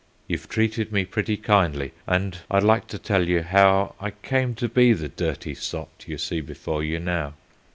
"You've treated me pretty kindly and I'd like to tell you how I came to be the dirty sot you see before you now.